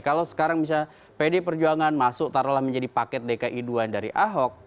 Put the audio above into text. kalau sekarang misalnya pd perjuangan masuk taruhlah menjadi paket dki dua dari ahok